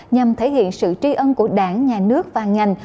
nhằm thể hiện sự tri ân của đảng nhà nước và ngành